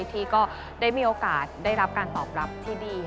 ที่ก็ได้มีโอกาสได้รับการตอบรับที่ดี